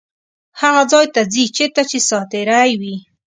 هغه ځای ته ځي چیرته چې ساعتېرۍ وي.